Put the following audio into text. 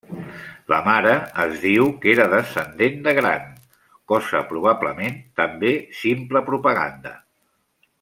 La mare es diu que era descendent de Gran, cosa probablement també simple propaganda.